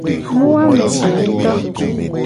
Nu a me de nguto.